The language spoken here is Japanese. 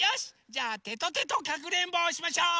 じゃあテトテトかくれんぼをしましょう！